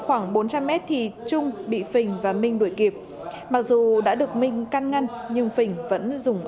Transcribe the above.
khoảng bốn trăm linh mét thì trung bị phình và minh đuổi kịp mặc dù đã được minh căn ngăn nhưng phình vẫn dùng